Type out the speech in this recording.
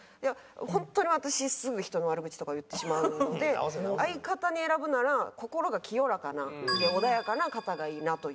ホントに私すぐ人の悪口とかを言ってしまうんで相方に選ぶなら心が清らかな穏やかな方がいいなという。